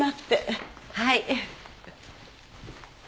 はい。